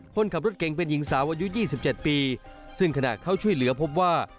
คนขับรถเก่งเป็นหญิงสาวอายุ๒๗ปีซึ่งขณะเข้าช่วยเหลือพบว่า